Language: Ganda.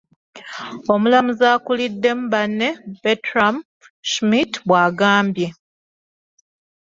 Omulamuzi akuliddemu banne Bertram Schmitt bw'agambye.